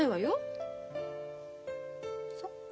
そっか。